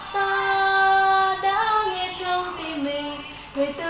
cuộc sống hôm nay tuy bất vả